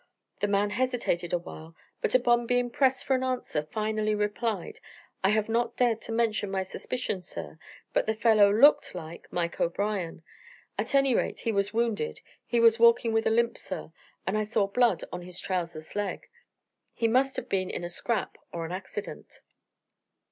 The man hesitated a while, but upon being pressed for an answer finally replied: "I have not dared to mention my suspicions, sir, but the fellow looked like Mike O'Brien. At any rate, he was wounded; he was walking with a limp, sir, and I saw blood on his trousers leg. He must have been in a scrap or an accident."